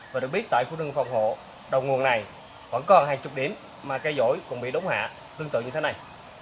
và được biết tại khu rừng phòng hộ đầu nguồn này vẫn còn hàng chục điểm mà cây dỗi cũng bị đống hạ tương tự như thế này